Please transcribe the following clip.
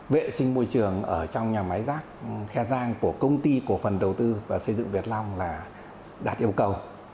vệ sinh môi trường ở trong nhà máy rác khe giang của công ty cổ phần đầu tư và xây dựng việt long là đạt yêu cầu